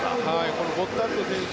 このボッタッツォ選手